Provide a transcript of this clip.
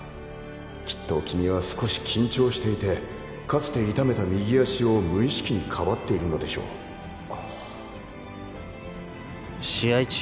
きっと君は少し緊張していてかつて痛めた右足を無意識に庇っているのでしょう試合中